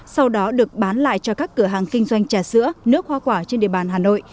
sau đó được bán lại cho các cửa hàng kinh doanh trà sữa nước hoa quả trên địa bàn hà nội